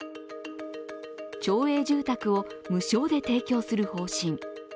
町営住宅を無償で提供する方針。